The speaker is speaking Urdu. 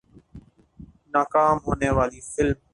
ناکام ہونے والی فلم